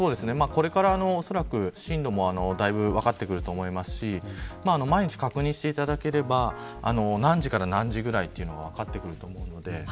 これから進路もだいぶ分かってくると思いますし毎日確認していただければ何時から何時くらいというのも分かってくると思います。